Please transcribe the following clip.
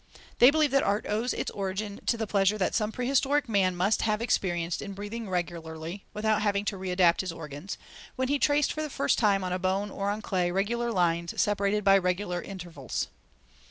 They believe that art owes its origin to the pleasure that some prehistoric man must have experienced in breathing regularly, without having to re adapt his organs, when he traced for the first time on a bone or on clay regular lines separated by regular intervals.